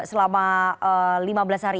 jadi kalau dalam lima belas hari